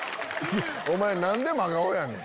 おまえ何で真顔やねん！